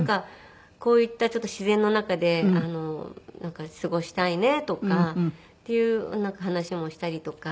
こういった自然の中で過ごしたいねとかっていう話もしたりとか。